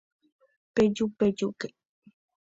Pejupejúke